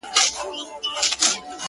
o تـا كــړلــه خـــپـــره اشــــنـــــا ـ